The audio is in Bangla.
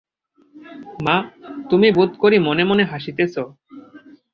মা, তুমি বোধ করি মনে মনে হাসিতেছ।